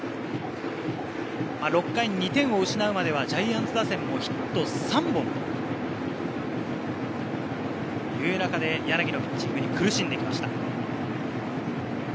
６回に２点を失うまではジャイアンツ打線をヒット３本という中で柳のピッチングに苦しんでいました。